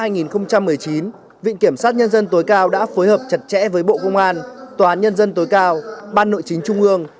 năm hai nghìn một mươi chín viện kiểm sát nhân dân tối cao đã phối hợp chặt chẽ với bộ công an tòa án nhân dân tối cao ban nội chính trung ương